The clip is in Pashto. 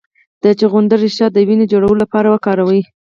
د چغندر ریښه د وینې د جوړولو لپاره وکاروئ